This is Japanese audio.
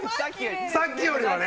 さっきよりはね？